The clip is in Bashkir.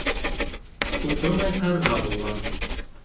Суҡымай ҡарға булған.